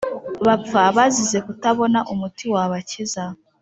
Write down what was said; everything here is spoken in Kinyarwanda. bapfa bazize kutabona umuti wabakiza: